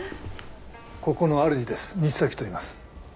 ここのあるじです西崎といいます。